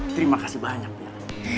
terima kasih banyak bella